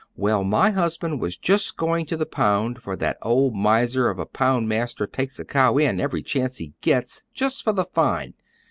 "Well, my husband was just going to the pound, for that old miser of a pound master takes a cow in every chance he gets, just for the fine.